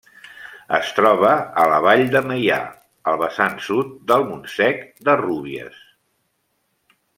Es troba a la vall de Meià, al vessant sud del Montsec de Rúbies.